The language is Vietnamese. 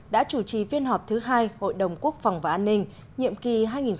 đã chủ trì phiên họp thứ hai hội đồng quốc phòng và an ninh nhiệm kỳ hai nghìn một mươi sáu hai nghìn hai mươi